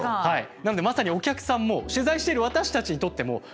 なのでまさにお客さんも取材している私たちにとってももう事件ですよ。